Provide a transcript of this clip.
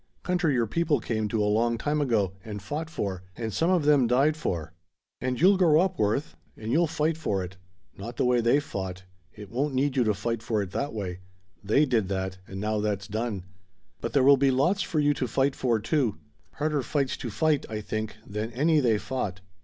Country your people came to a long time ago, and fought for, and some of them died for. And you'll grow up, Worth, and you'll fight for it. Not the way they fought; it won't need you to fight for it that way; they did that and now that's done. But there will be lots for you to fight for, too; harder fights to fight, I think, than any they fought.